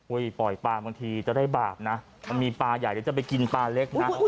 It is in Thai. ปล่อยปลาบางทีจะได้บาปนะมันมีปลาใหญ่เดี๋ยวจะไปกินปลาเล็กนะ